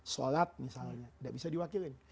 sholat misalnya tidak bisa diwakilin